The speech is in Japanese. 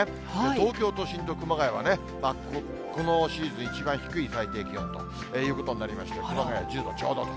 東京都心と熊谷はね、このシーズンで一番低い最低気温ということになりまして、熊谷１０度ちょうどと。